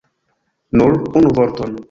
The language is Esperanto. Nur unu vorton!